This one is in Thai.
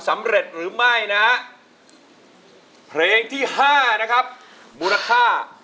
มูลค่า๖๐๐๐๐บาท